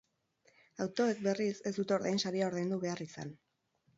Autoek, berriz, ez dute ordainsaria ordaindu behar izan.